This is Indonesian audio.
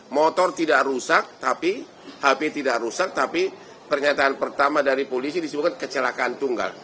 motor tidak rusak tapi hp tidak rusak tapi pernyataan pertama dari polisi disebutkan kecelakaan tunggal